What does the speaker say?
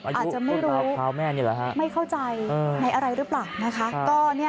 อาจจะไม่รู้ไม่เข้าใจในอะไรหรือเปล่า